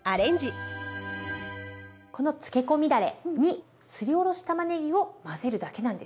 このつけ込みだれにすりおろしたまねぎを混ぜるだけなんです。